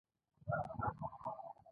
په جګړه کې د مدیریت ستونزې موجودې وې.